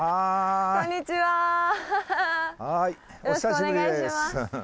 よろしくお願いします。